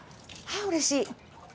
はあうれしい。